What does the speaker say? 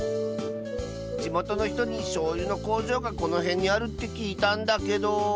じもとのひとにしょうゆのこうじょうがこのへんにあるってきいたんだけど。